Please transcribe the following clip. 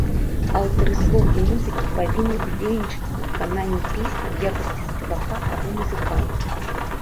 Аўтары слоў і музыкі павінны ўдзельнічаць у выкананні песні ў якасці спевака або музыканта.